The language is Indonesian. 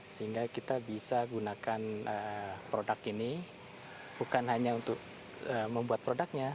sehingga kita bisa gunakan produk ini bukan hanya untuk membuat produknya